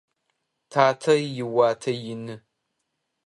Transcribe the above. Татэ иуатэ ины.